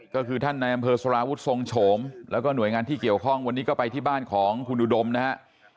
ก็คือท่านในอำเภอสลาวุฒิทรงโฉมแล้วก็หน่วยงานที่เกี่ยวข้องวันนี้ก็ไปที่บ้านของคุณอุดมนะฮะ